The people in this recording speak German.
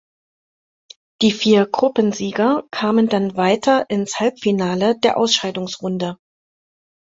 Die vier Gruppensieger kamen dann weiter ins Halbfinale der Ausscheidungsrunde.